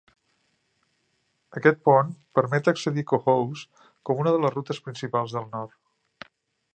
Aquest pont permet accedir a Cohoes com una de les rutes principals del nord.